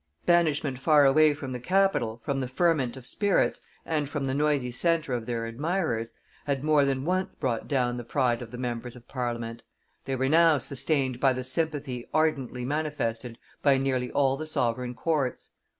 Banishment far away from the capital, from the ferment of spirits, and from the noisy centre of their admirers, had more than once brought down the pride of the members of Parliament; they were now sustained by the sympathy ardently manifested by nearly all the sovereign courts.